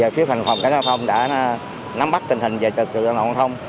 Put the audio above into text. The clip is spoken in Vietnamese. phía thành phòng cảnh sát giao thông đã nắm bắt tình hình về tật tựa giao thông